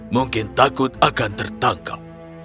mungkin takut akan tertangkap